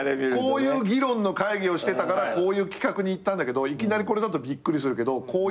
こういう議論の会議をしてたからこういう企画にいったんだけどいきなりこれだとびっくりするけどこういう感じなのよっていって議事録渡したことある１回。